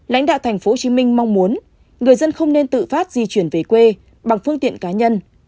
lãnh đạo tp hcm mong muốn người dân không nên tự phát di chuyển về quê bằng phương tiện cá nhân